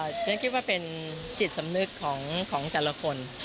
ฉันคิดว่าเป็นจิตสำนึกของแต่ละคน